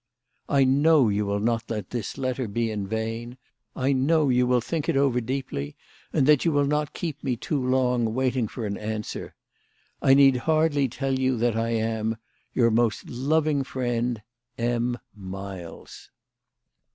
" I know you will not let this letter be in vain. I know you will think it over deeply, and that you will not keep me too long waiting for an answer. I need hardly tell you that I am " Your most loving friend, " M. MILES."